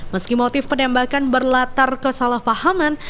meski motif penembakan berlatar kesalahpahaman